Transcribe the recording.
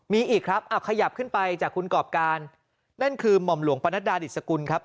มีอีกครับเอาขยับขึ้นไปจากคุณกรอบการนั่นคือหม่อมหลวงปนัดดาดิสกุลครับ